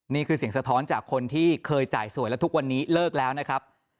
นี่คือเสียงสะท้อนจากคนที่เคยจ่ายสวยและทุกวันนี้เลิกแล้วนะครับ